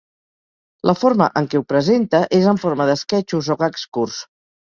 La forma en què ho presenta és en forma d'esquetxos o gags curts.